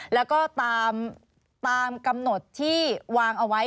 แล้วก็ตามกำหนดที่วางเอาไว้